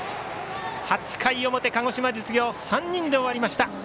８回表、鹿児島実業３人で終わりました。